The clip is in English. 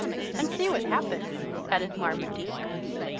"An' see what happens," added Marmaduke.